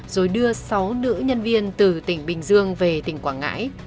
rồi đưa sáu nữ nhân viên từ tỉnh bình dương về tỉnh quảng ngãi